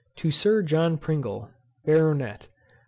To Sir JOHN PRINGLE, Baronet.